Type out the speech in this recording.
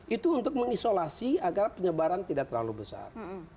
itu untuk mengisolasi agar penyebaran tidak terlalu besar